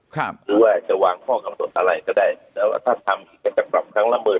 หรือว่าจะวางข้อกำหนดอะไรก็ได้แล้วถ้าทำอีกก็จะกลับครั้งละเมิด